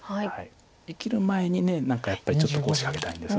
生きる前に何かやっぱりちょっと仕掛けたいんです。